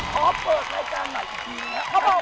ขอเปิดรายการใหม่อีกที